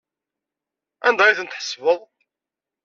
Anda ay tent-tḥesbeḍ?